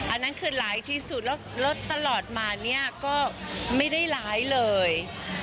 อันนั้นคือร้ายที่สุดรถตลอดมาก็ไม่ได้ร้ายเลย